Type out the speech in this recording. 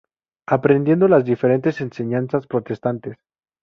Aprendiendo las diferentes enseñanzas protestantes.